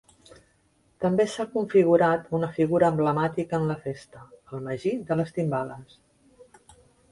També s'ha configurat una figura emblemàtica en la festa: el Magí de les Timbales.